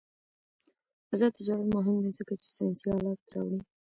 آزاد تجارت مهم دی ځکه چې ساینسي آلات راوړي.